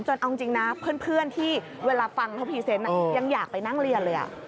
เอาจริงนะเพื่อนที่เวลาฟังเขาพรีเซนต์ยังอยากไปนั่งเรียนเลย